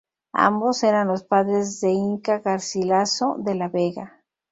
Ambos eran los padres de Inca Garcilaso de la Vega.